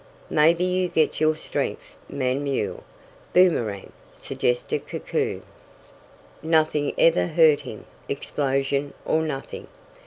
"Maybe you get your strong man mule, Boomerang," suggested Koku. "Nothing ever hurt him explosion or nothing.